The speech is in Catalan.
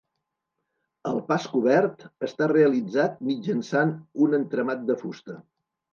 El pas cobert està realitzat mitjançant un entramat de fusta.